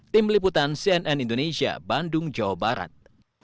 tim liputan cnn indonesia bandung jawa barat